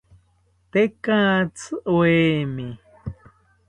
Tekatzi oemi